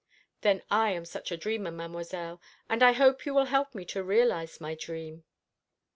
"Then I am such a dreamer, Mademoiselle, and I hope you will help me to realise my dream."